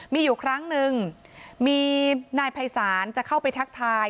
มีอยู่ครั้งหนึ่งมีนายภัยศาลจะเข้าไปทักทาย